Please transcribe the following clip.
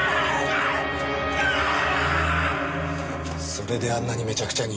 それであんなにめちゃくちゃに。